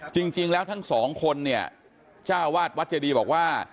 จริงแล้วทั้งสองคนเนี่ยจ้าวาดวัดเจดีบอกว่า